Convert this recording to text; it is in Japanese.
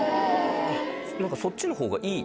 そっちの方がいい！